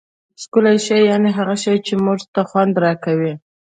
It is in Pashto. ښکلی شي یعني هغه شي، چي موږ ته خوند راکوي.